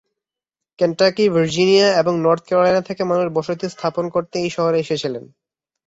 Kentucky, Virginia এবং North Carolina থেকে মানুষ বসতি স্থাপন করতে এই শহরে এসেছিলেন।